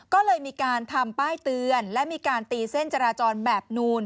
ก็เลยมีการทำป้ายเตือนและมีการตีเส้นจราจรแบบนูน